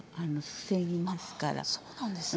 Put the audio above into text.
あっそうなんですね。